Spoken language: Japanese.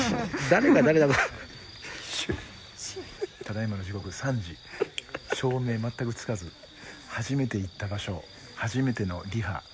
ただいまの時刻３時、照明全くつかず初めて行った場所、初めてのリハ。